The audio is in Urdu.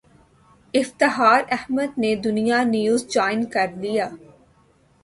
افتخار احمد نے دنیا نیوز جوائن کر لیا